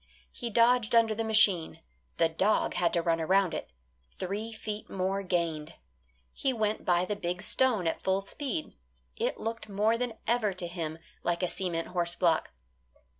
He dodged under the machine; the dog had to run around it; three feet more gained. He went by the big stone at full speed, it looked more than ever to him like a cement horse block.